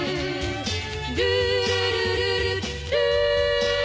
「ルールルルルルー」